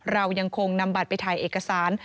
เรายังคงนำบัตรไปถ่ายเอกสาร